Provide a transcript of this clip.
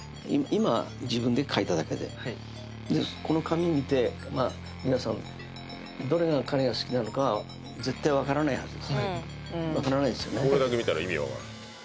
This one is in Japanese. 今自分で書いただけではいこの紙見てまぁ皆さんどれが彼が好きなのかは絶対分からないはずです分からないですよね？